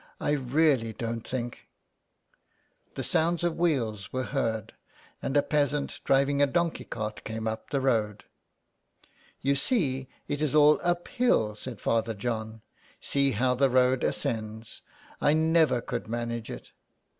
'' I really don't think " The sounds of wheels were heard, and a peasant driving a donkey cart came up the road, You see it is all up hill," said Father John. '* See how the road ascends. I never could manage it."